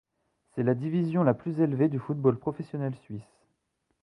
C'est la division la plus élevée du football professionnel suisse.